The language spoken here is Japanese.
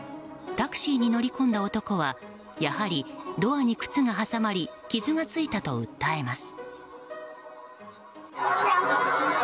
タクシーに乗り込んだ男はやはり、ドアに靴が挟まり傷がついたと訴えます。